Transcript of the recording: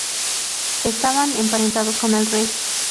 Estaban emparentados con el Rey.